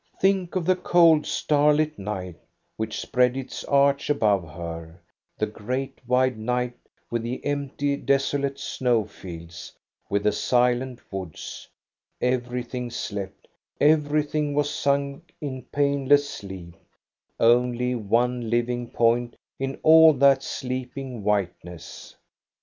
Think of the cold, starlit night, which spread its 7 98 THE STORY OF GOSTA BE RUNG arch above her, the great wide night with the empty, desolate snow fields, with the silent woods. Every thing slept, everything was sunk in painless sleep; only one living point in all that sleeping whiteness.